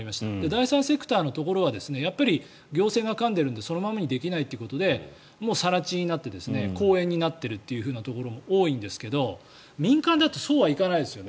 第三セクターのところは行政が絡んでいるのでそのままにできないということでもう更地になって公園になっているというところが多いんですが民間だとそうはいかないですよね。